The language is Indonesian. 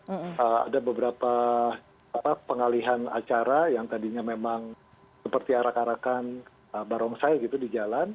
ada beberapa pengalihan acara yang tadinya memang seperti arak arakan barongsai gitu di jalan